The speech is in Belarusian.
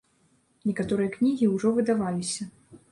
Некаторыя кнігі ўжо выдаваліся.